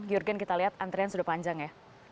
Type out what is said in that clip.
jurgen kita lihat antrian sudah panjang ya